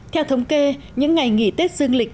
theo thống kê những ngày nghỉ tết dương lịch